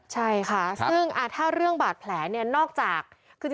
ใช่ค่ะซึ่งถ้าเรื่องบาดแผลเนี่ยนอกจากคือ